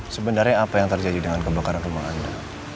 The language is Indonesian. sebenarnya apa yang terjadi dengan kebakaran rumah anda